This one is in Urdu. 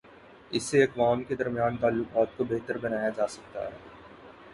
اس سے اقوام کے درمیان تعلقات کو بہتر بنایا جا تا ہے۔